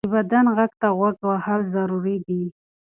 د بدن غږ ته غوږ وهل ضروري دی.